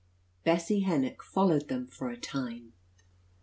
Bessie Hennock followed them for a time.